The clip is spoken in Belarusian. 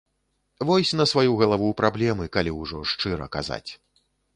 Вось на сваю галаву праблемы, калі ўжо шчыра казаць.